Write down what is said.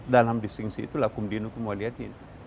dalam distingsi itu lakum dinukum waliyadin